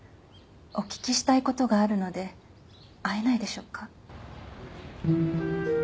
お聞きしたい事があるので会えないでしょうか？